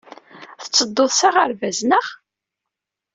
Tettedduḍ s aɣerbaz, naɣ?